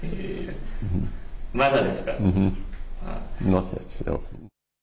まだですか？